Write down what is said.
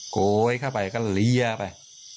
โกยเข้าไปก็เลี้ยไป